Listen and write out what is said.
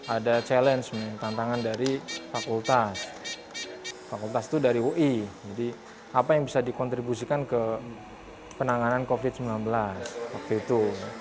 ada challenge tantangan dari fakultas fakultas itu dari ui jadi apa yang bisa dikontribusikan ke penanganan covid sembilan belas waktu itu